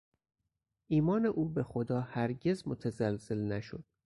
ایمان او به خدا هرگز متزلزل نشد.